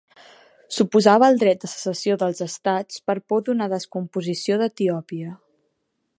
S'oposava al dret de secessió dels estats per por d'una descomposició d'Etiòpia.